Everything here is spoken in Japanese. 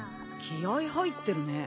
気合入ってるね。